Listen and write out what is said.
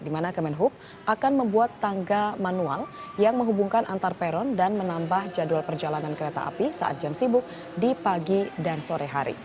di mana kemenhub akan membuat tangga manual yang menghubungkan antar peron dan menambah jadwal perjalanan kereta api saat jam sibuk di pagi dan sore hari